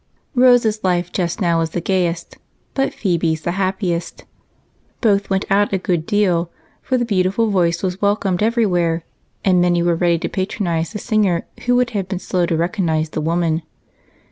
Rose's life just now was the gaiest but Phebe's the happiest. Both went out a good deal, for the beautiful voice was welcomed everywhere, and many were ready to patronize the singer who would have been slow to recognize the woman.